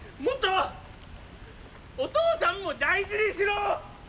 もっとお父さんを大事にしろ！